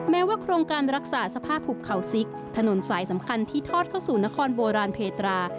แม้ว่าโครงการรักษาสภาพหุบเขาซิกถนนสายสำคัญที่ทอดเข้าสู่นครโบราณเพตรา